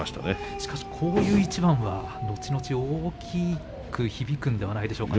しかし、こういう一番はのちのち大きく響くんじゃないでしょうかね。